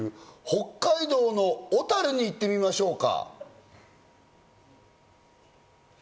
北海道の小樽に行ってみましょうか？